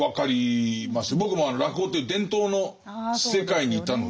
僕も落語っていう伝統の世界にいたので。